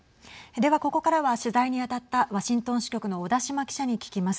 では、ここからは取材に当たったワシントン支局の小田島記者に聞きます。